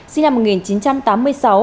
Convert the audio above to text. sinh năm một nghìn chín trăm tám mươi sáu